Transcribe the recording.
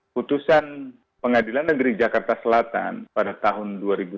putusan pengadilan negeri jakarta selatan pada tahun dua ribu tujuh belas